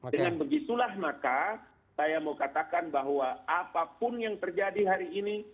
dengan begitulah maka saya mau katakan bahwa apapun yang terjadi hari ini